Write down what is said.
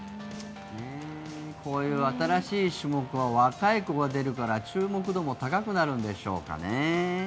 こういう新しい種目は若い子が出るから注目度も高くなるんでしょうかね。